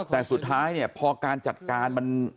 แต่สุดท้ายเนี่ยพอการจัดการมัน